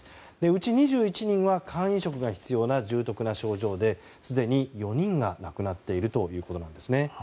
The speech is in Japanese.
うち２１人は肝移植が必要な重篤な症状ですでに４人が亡くなっているということなんですね。